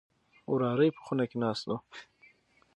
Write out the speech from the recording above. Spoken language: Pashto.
وراره يې په خونه کې ناست و.